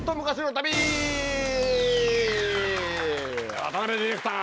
渡辺ディレクター。